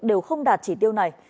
đều không đạt chỉ tiêu này